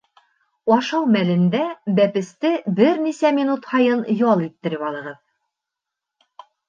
- ашау мәлендә бәпесте бер нисә минут һайын ял иттереп алығыҙ